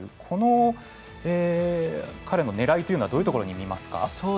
この彼のねらいというのはどういうところに見ますか？